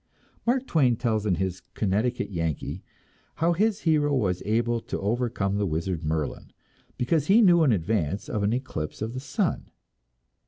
Mark Twain tells in his "Connecticut Yankee" how his hero was able to overcome the wizard Merlin, because he knew in advance of an eclipse of the sun.